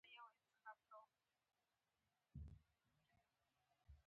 یوه اونۍ یې څراغونه بل وو.